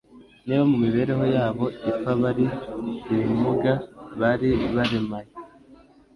Niba mu mibereho yabo ipfa bari ibimuga, bari baremaye,